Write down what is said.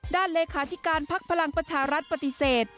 เลขาธิการภักดิ์พลังประชารัฐปฏิเสธ